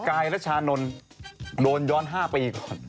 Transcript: กายรัชานนท์โดนย้อน๕ปีก่อน